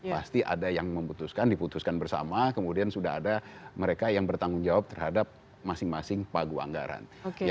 pasti ada yang memutuskan diputuskan bersama kemudian sudah ada mereka yang bertanggung jawab terhadap masing masing pagu anggaran